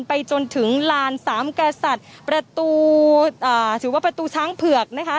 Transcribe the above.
ไปจนถึงลานสามกระสัตว์ประตูช้างเผือกนะคะ